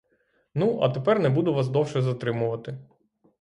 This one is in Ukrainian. Ну, а тепер не буду вас довше затримувати.